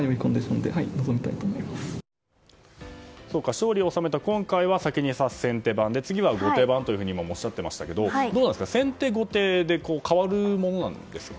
勝利を収めた今回は先手番で次は後手番とおっしゃってましたけど先手、後手で変わるものですか？